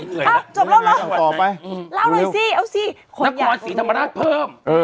นะครีอาทิสีธรรมดาเพิ่ม